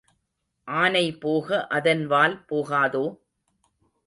ஆனை போக அதன் வால் போகாதோ?